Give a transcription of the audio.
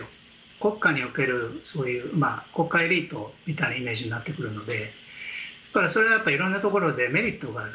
国家における国家エリートみたいなイメージになってくるのでそれは色んなところでメリットがある。